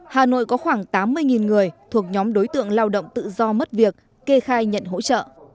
hà nội có khoảng tám mươi người thuộc nhóm đối tượng lao động tự do mất việc kê khai nhận hỗ trợ